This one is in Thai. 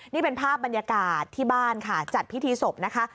นี่เป็นภาพบรรยากาศที่บ้านค่ะจัดพิธีศพนะคะ